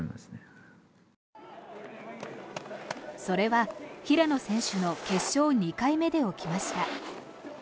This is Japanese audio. それは、平野選手の決勝２回目で起きました。